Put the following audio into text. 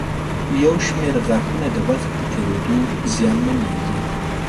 یو شمېر غاښونه د وخت په تېرېدو زیانمنېږي.